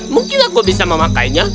mungkin aku bisa memakainya